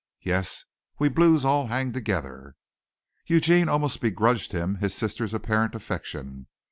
"Yes, we Blues all hang together." Eugene almost begrudged him his sister's apparent affection.